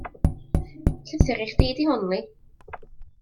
Llythyr i chdi di hwn 'li.